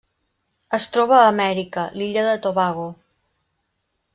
Es troba a Amèrica: l'illa de Tobago.